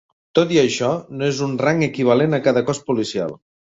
Tot i això, no és un rang equivalent a cada cos policial.